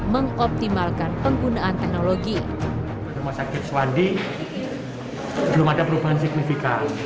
mengoptimalkan penggunaan teknologi rumah sakit suwandi belum ada perubahan signifikan